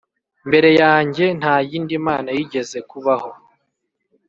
mbere yanjye nta yindi mana yigeze kubaho,